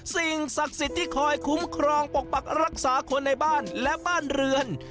สิ่งศักดิ์สิทธิ์ที่คอยคุ้มครองปกปักรักษาคนในบ้านและบ้านเรือน